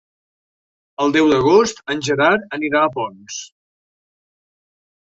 El deu d'agost en Gerard anirà a Ponts.